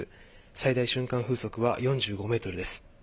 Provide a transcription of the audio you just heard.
最大瞬間風速は４５メートルです。